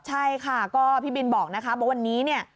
ใช่ค่ะก็พี่บินบอกนะคะว่าวันนี้เนี่ย